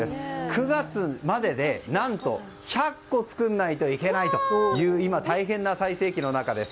９月までで何と１００個作らないといけないという今、大変な最盛期の中です。